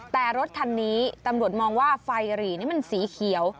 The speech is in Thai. แต่รถคันนี้ตำรวจมองว่าไฟหรี่นี่มันสีเขียว